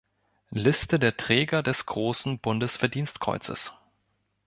Liste der Träger des Großen Bundesverdienstkreuzes